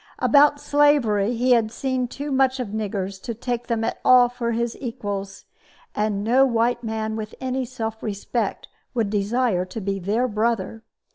About slavery, he had seen too much of niggers to take them at all for his equals, and no white man with any self respect would desire to be their brother.